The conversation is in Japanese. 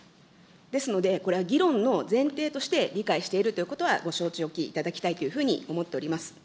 ですので、これは議論の前提として理解しているということはご承知おきいただきたいというふうに思います。